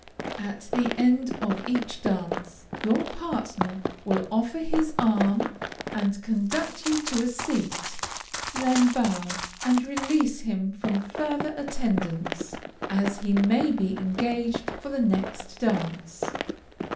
At the end of each dance, your partner will offer his arm, and conduct you to a seat; then bow, and release him from further attendance, as he may be engaged for the next dance.